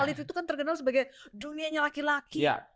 alif itu kan terkenal sebagai dunianya laki laki